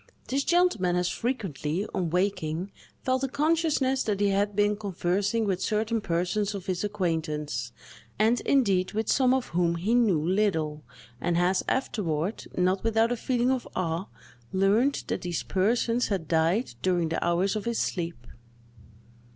This gentleman has frequently, on waking, felt a consciousness that he had been conversing with certain persons of his acquaintance—and, indeed, with some of whom he knew little—and has afterward, not without a feeling of awe, learned that these persons had died during the hours of his sleep.